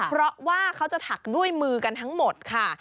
เพราะว่าเขาจะถักด้วยมือกันทั้งหมดค่ะ